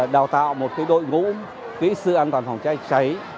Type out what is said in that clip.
đào tạo một đội ngũ kỹ sư an toàn phòng cháy cháy